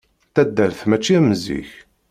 Taddart mačči am zik.